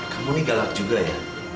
kamu ini galak juga ya